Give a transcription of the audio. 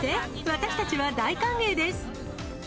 私たちは大歓迎です。